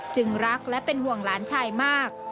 รักและเป็นห่วงหลานชายมาก